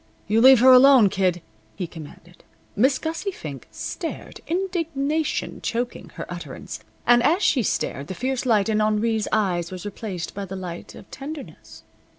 "You leave her alone, Kid," he commanded. Miss Gussie Fink stared, indignation choking her utterance. And as she stared the fierce light in Henri's eyes was replaced by the light of tenderness.